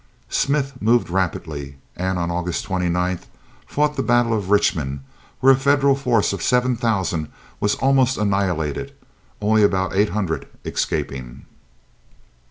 Smith moved rapidly, and on August 29 fought the battle of Richmond, where a Federal force of seven thousand was almost annihilated, only about eight hundred escaping.